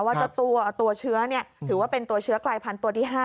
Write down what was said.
ว่าเจ้าตัวเชื้อถือว่าเป็นตัวเชื้อกลายพันธุ์ตัวที่๕